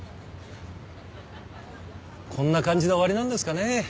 こんな感じで終わりなんですかね？